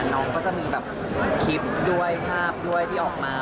น้องก็จะมีแบบคลิปด้วยภาพด้วยที่ออกมา